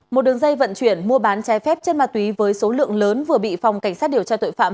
một đường dây vận chuyển mua bán trái phép chất ma túy với số lượng lớn vừa bị phòng cảnh sát điều tra tội phạm